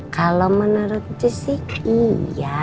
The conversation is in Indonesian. kalau menurutnya sih iya